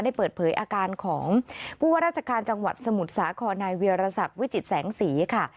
ได้เปิดเผยอาการของผู้ว่าราชการจังหวัดสมุทรสาครนายเวียรศักดิ์วิจิตแสงสีค่ะ